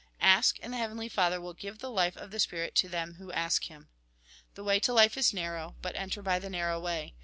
Ask, and the Heavenly Father will give the life of the spirit to them who ask Him. The way to life is narrow, but enter by the narrow way.